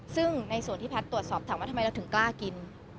ซึ่งในส่วนที่แพทย์ตรวจสอบถามว่าทำไมเราถึงกล้ากิน